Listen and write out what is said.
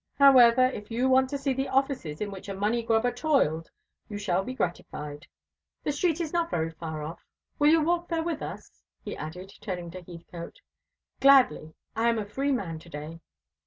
However, if you want to see the offices in which a money grubber toiled, you shall be gratified. The street is not very far off. Will you walk there with us?" he added, turning to Heathcote. "Gladly. I am a free man to day."